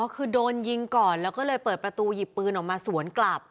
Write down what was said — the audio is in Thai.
คือโดนยิงก่อนแล้วก็เลยเปิดประตูหยิบปืนออกมาสวนกลับ